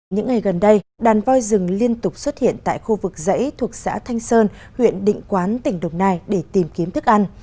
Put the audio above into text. những ngày gần đây đàn voi rừng liên tục xuất hiện tại khu vực dãy thuộc xã thanh sơn huyện định quán tỉnh đồng nai để tìm kiếm thức ăn